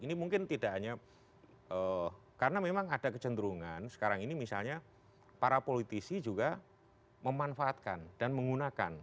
ini mungkin tidak hanya karena memang ada kecenderungan sekarang ini misalnya para politisi juga memanfaatkan dan menggunakan